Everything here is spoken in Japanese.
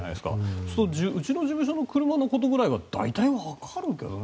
そうするとうちの事務所の車のことぐらいは大体わかるけどね。